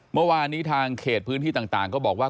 เมื่อวานนี้ทางเขตพื้นที่ต่างก็บอกว่า